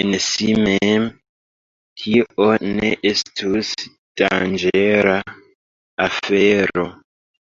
En si mem tio ne estus danĝera afero.